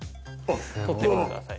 取ってみてください。